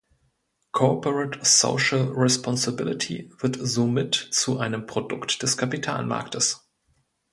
Corporate Social Responsibility wird somit zu einem Produkt des Kapitalmarktes.